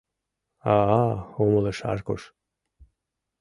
— А-а... — умылыш Аркуш.